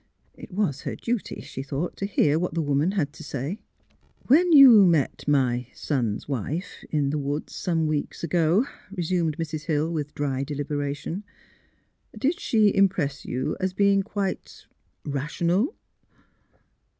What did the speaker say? It was her duty, she thought, to hear what the woman had to say. '' When you met my — son's wife, in the woods some weeks ago," resumed Mrs. Hill, with dry deliberation, '' did she impress you as being quite —rational?